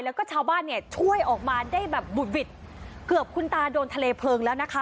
แล้วก็ชาวบ้านเนี่ยช่วยออกมาได้แบบบุดหวิดเกือบคุณตาโดนทะเลเพลิงแล้วนะคะ